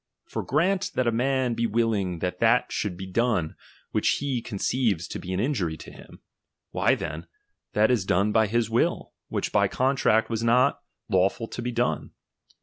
For be d™e L m g:rant that a man be wilUng that that should be done which he conceives to be an injury to him; why then, that is done by his will, which by con tract was not lawful to be done.